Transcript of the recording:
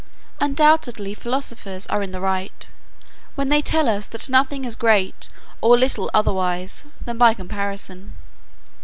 Undoubtedly philosophers are in the right, when they tell us that nothing is great or little otherwise than by comparison.